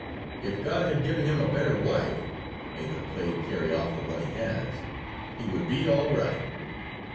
If God had given him a better wife (may the plague carry off the one he has) he would be all right.